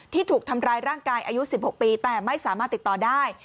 ถูกทำร้ายร่างกายอายุ๑๖ปีแต่ไม่สามารถติดต่อได้